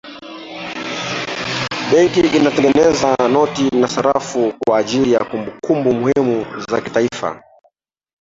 benki inatengeza noti na sarafu kwa ajiri ya kumbukumbu muhimu za kitaifa